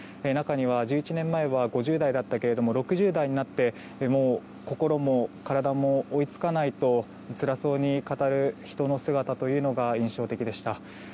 中には１１年前は５０代だったけれども６０代になってもう心も体も追いつかないとつらそうに語る人の姿というのが印象的でした。